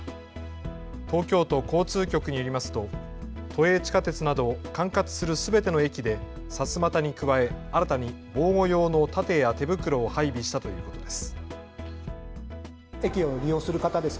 東京都交通局によりますと都営地下鉄など管轄するすべての駅でさすまたに加え、新たに防護用の盾や手袋を配備したということです。